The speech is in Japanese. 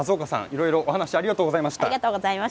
いろいろお話ありがとうございました。